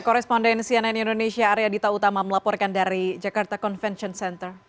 korespondensi ann indonesia arya dita utama melaporkan dari jakarta convention center